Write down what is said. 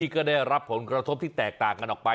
ก็ได้รับผลกระทบที่แตกต่างกันออกไป